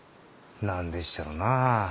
何でっしゃろなあ。